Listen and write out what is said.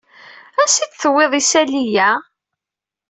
Ansi i d-tewwiḍ isalli-ya?